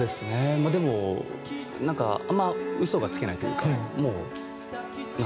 まあでもなんかあんま嘘がつけないというかもうなんだろう